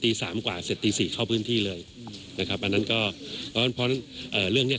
ตีสามกว่าเสร็จตีสี่เข้าพื้นที่เลยนะครับอันนั้นก็อ๋อเรื่องเนี้ย